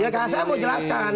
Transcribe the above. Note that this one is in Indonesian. ya saya mau jelaskan